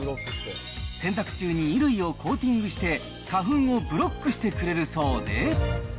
洗濯中に衣類をコーティングして、花粉をブロックしてくれるそうで。